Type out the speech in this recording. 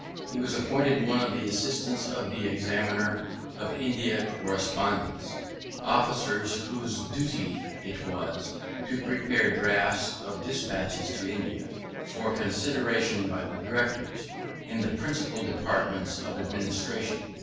He was appointed one of the Assistants of the Examiner of India Correspondence; officers whose duty it was to prepare drafts of despatches to India, for consideration by the Directors, in the principal departments of administration.